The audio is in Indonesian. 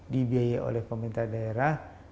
dibiarai oleh pemerintah daerah